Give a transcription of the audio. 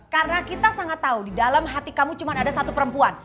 karena kita sangat tau di dalam hati kamu cuma ada satu perempuan